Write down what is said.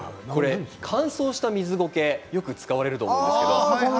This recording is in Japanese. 乾燥した水ゴケよく使われると思うんですけれども。